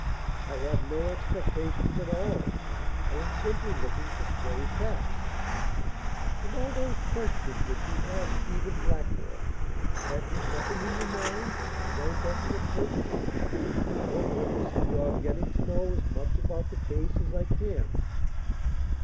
"I have no expectations at all. I am simply looking for stray facts." "And all those questions that you asked Stephen Blackmore; had you nothing in your mind no definite purpose?" "No purpose beyond getting to know as much about the case as I can."